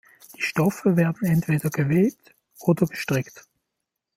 Die Stoffe werden entweder gewebt oder gestrickt.